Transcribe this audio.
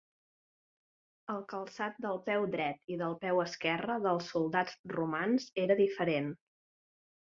El calçat del peu dret i del peu esquerre dels soldats romans era diferent.